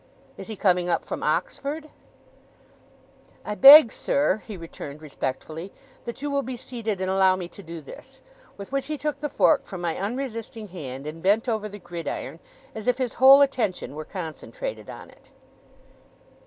'Is he coming up from Oxford?' 'I beg, sir,' he returned respectfully, 'that you will be seated, and allow me to do this.' With which he took the fork from my unresisting hand, and bent over the gridiron, as if his whole attention were concentrated on it.